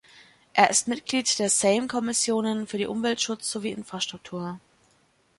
Er ist Mitglied der Sejm Kommissionen für die Umweltschutz sowie Infrastruktur.